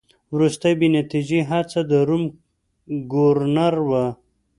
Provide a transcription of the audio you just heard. وروستۍ بې نتیجې هڅه د روم د ګورنر وه.